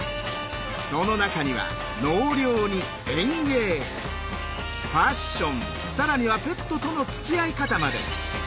その中には納涼に園芸ファッション更にはペットとのつきあい方まで。